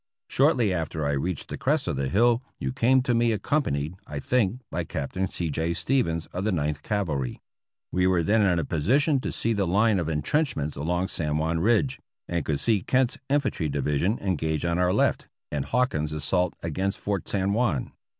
Shortly after I reached the crest of the hill you came to me, accompanied, I think, by Captain C. J. Stevens, of the Ninth Cavahy. We were then in a position to see the line of intrenchments along San Juan Ridge, and could see Kent's Infantry Divis ion engaged on our left, and Hawkins' assault against Fort San Juan.